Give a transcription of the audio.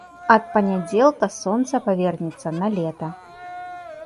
Ад панядзелка сонца павернецца на лета.